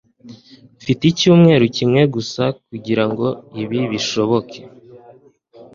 Mfite icyumweru gusa kugirango ibi bishoboke.